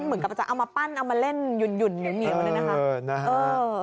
เหมือนกับจะเอามาปั้นเอามาเล่นหยุ่นอยู่เหมือนกันด้วยนะครับ